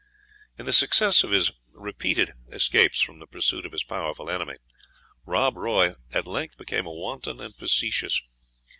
In the success of his repeated escapes from the pursuit of his powerful enemy, Rob Roy at length became wanton and facetious.